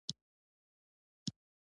رسۍ که پرې شي، اړیکې پرې کېږي.